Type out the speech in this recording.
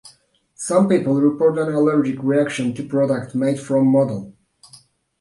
Some people report an allergic reaction to products made from modal.